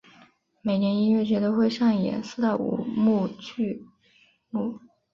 每年音乐节都会上演四到五幕剧目。